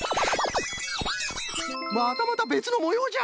またまたべつのもようじゃ！